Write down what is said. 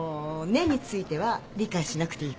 「ねっ？」については理解しなくていいから。